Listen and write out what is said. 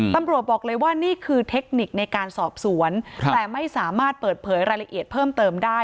ตำรวจบอกเลยว่านี่คือเทคนิคในการสอบสวนแต่ไม่สามารถเปิดเผยรายละเอียดเพิ่มเติมได้